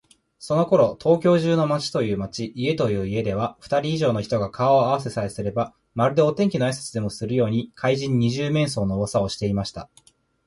そのころ、東京中の町という町、家という家では、ふたり以上の人が顔をあわせさえすれば、まるでお天気のあいさつでもするように、怪人「二十面相」のうわさをしていました。